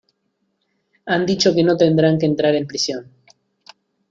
Han dicho que no tendrán que entrar en prisión.